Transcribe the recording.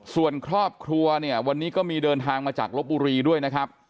ส่วนครอบครัวเนี่ยวันนี้ก็มีเดินทางมาจากลบบุรีด้วยนะครับ